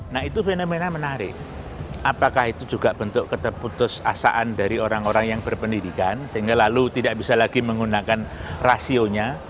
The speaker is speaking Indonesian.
nah itu fenomena menarik apakah itu juga bentuk keterputus asaan dari orang orang yang berpendidikan sehingga lalu tidak bisa lagi menggunakan rasionya